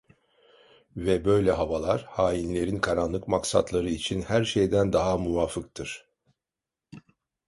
Ve böyle havalar hainlerin karanlık maksatları için her şeyden daha muvafıktır.